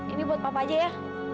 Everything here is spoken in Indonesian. ini buat papa aja ya